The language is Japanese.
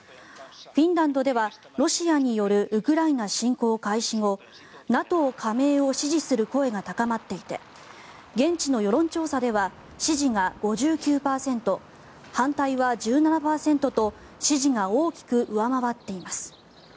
フィンランドでは、ロシアによるウクライナ侵攻開始後ＮＡＴＯ加盟を支持する声が高まっていて現地の世論調査では支持が５９％、反対は１７％と支持が大きく上回っています。